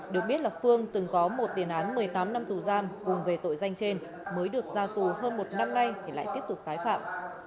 được biết là phương từng có một tiền án một mươi tám năm tù giam cùng về tội danh trên mới được ra tù hơn một năm nay thì lại tiếp tục tái phạm